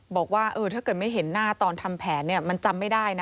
บอกว่าถ้าเกิดไม่เห็นหน้าตอนทำแผนมันจำไม่ได้นะ